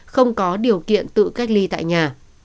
không có điều kiện tự cách ly tại nhà